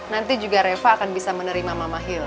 nanti juga reva akan bisa menerima mama hilda